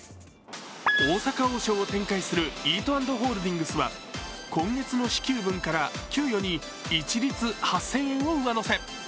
大阪王将を展開するイートアンドホールディングスは、今月の支給分から給与に一律８０００円を上乗せ。